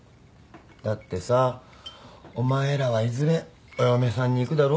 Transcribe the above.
だってさお前らはいずれお嫁さんにいくだろ？